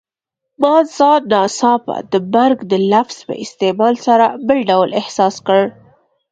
ما ځان ناڅاپه د مرګ د لفظ په استعمال سره بل ډول احساس کړ.